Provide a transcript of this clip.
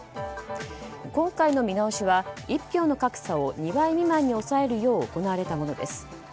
今回の見直しは、一票の格差を２倍未満に抑えるよう行われたものです。